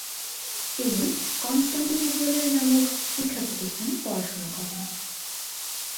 তিনি কনস্টান্টিনোপলের নামক শিক্ষাপ্রতিষ্ঠানে পড়াশোনা করেন।